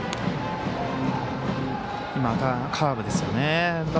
カーブですよね。